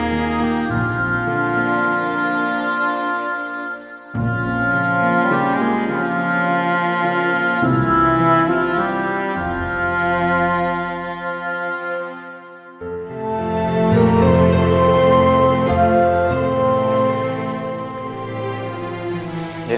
fuaskund misi atau takru